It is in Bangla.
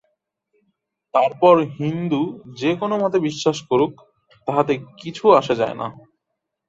তারপর হিন্দু যে-কোন মতে বিশ্বাস করুক, তাহাতে কিছু আসে যায় না।